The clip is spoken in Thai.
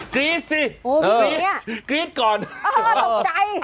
กรี๊ดสิกรี๊ดก่อนตกใจ